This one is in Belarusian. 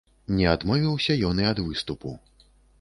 Не адмовіўся ён і ад выступу.